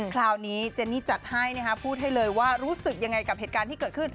คราวนี้เจนนี่จัดให้พูดให้เลยว่ารู้สึกยังไงกับเหตุการณ์ที่เกิดขึ้น